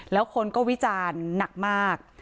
แล้วคนก็วิจารณ์หนักมาก